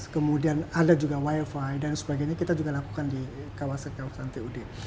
kemudian ada juga wifi dan sebagainya kita juga lakukan di kawasan kawasan tud